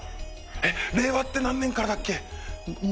えっ令和って何年からだっけ２。